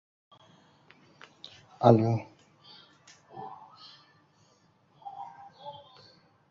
— Tog‘a, qora ko‘zning yoshi yomon, qora qoshning ohi yomon!